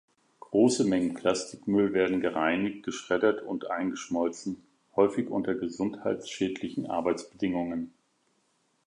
Große Mengen Plastikmüll werden gereinigt, geschreddert und eingeschmolzen, häufig unter gesundheitsschädlichen Arbeitsbedingungen.